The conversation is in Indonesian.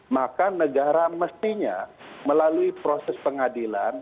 maka negara mestinya melalui proses pengadilan